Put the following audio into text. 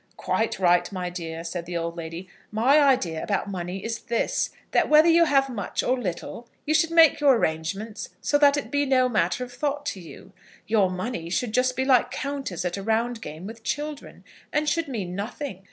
"Quite right, my dear," said the old lady. "My idea about money is this, that whether you have much or little, you should make your arrangements so that it be no matter of thought to you. Your money should be just like counters at a round game with children, and should mean nothing.